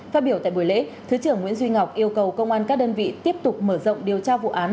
phát biểu tại buổi lễ thứ trưởng nguyễn duy ngọc yêu cầu công an các đơn vị tiếp tục mở rộng điều tra vụ án